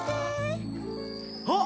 あっ！